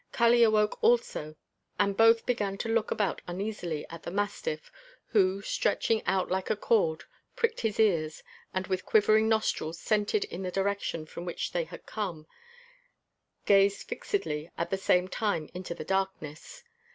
Kali awoke also and both began to look about uneasily at the mastiff, who, stretching out like a chord, pricked his ears, and with quivering nostrils scented in the direction from which they had come, gazed fixedly at the same time into the darkness.